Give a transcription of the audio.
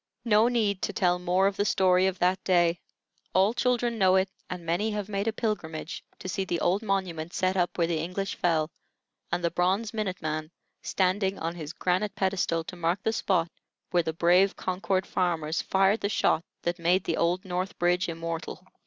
No need to tell more of the story of that day; all children know it, and many have made a pilgrimage to see the old monument set up where the English fell, and the bronze Minute Man, standing on his granite pedestal to mark the spot where the brave Concord farmers fired the shot that made the old North Bridge immortal.